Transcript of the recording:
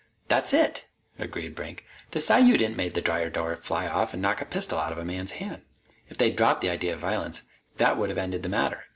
"That's it," agreed Brink. "The psi unit made the dryer door fly off and knock a pistol out of a man's hand. If they'd dropped the idea of violence, that would have ended the matter.